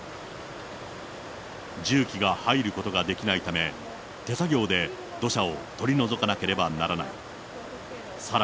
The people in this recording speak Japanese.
重機が入ることができないため、手作業で土砂を取り除かなければならない。